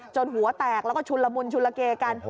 หัวแตกแล้วก็ชุนละมุนชุลเกกัน